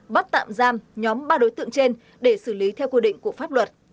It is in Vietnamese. bắt tạm giam nhóm ba đối tượng trên để xử lý theo quy định của pháp luật